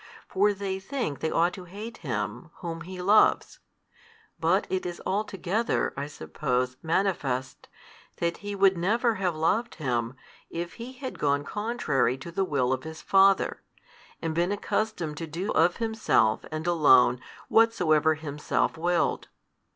For they think they ought to hate Him Whom He loves, but it is altogether (I suppose) manifest, that He would never have loved Him if He had gone contrary to the Will of His Father, and been accustomed to do of Himself and Alone whatsoever Himself willed.